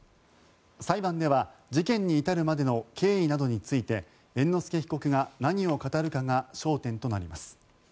裁判では事件に至るまでの経緯などについて猿之助被告が何を語るかが焦点となります。